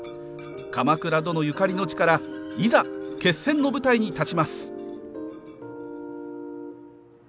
鎌倉殿ゆかりの地からいざ、決戦の舞台に立ちます。